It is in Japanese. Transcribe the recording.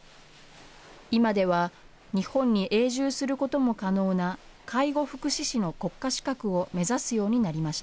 今では、日本に永住することも可能な介護福祉士の国家資格を目指すようになりました。